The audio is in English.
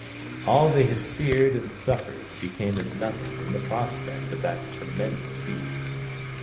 All they had feared and suffered became as nothing in the prospect of that tremendous feast.